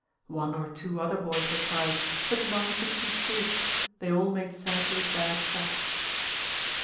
One or two other boys were tried, but none could "see truth"; they all made sadly "bad shots."